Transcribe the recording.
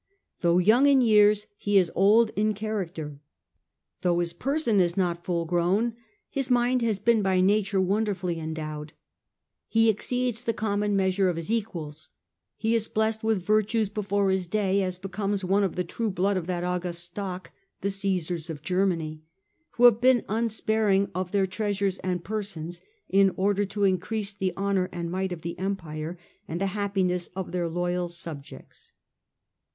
Though young in years, he is old in character ; though his person is not full grown, his mind has been by Nature wonderfully endowed ; he exceeds the com mon measure of his equals ; he is blest with virtues before his day, as becomes one of the true blood of that august stock, the Caesars of Germany, who have been unsparing of their treasures and persons, in order to increase the honour and might of the Empire and the happiness of their loyal subjects."